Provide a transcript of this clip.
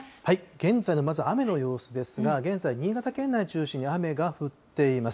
現在のまず、雨の様子ですが、現在、新潟県内を中心に雨が降っています。